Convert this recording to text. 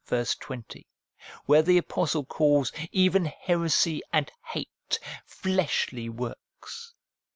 20, where the apostle calls even heresy and hate fleshly works.